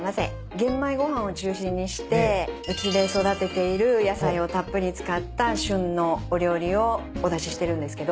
玄米ご飯を中心にしてうちで育てている野菜をたっぷり使った旬のお料理をお出ししてるんですけど。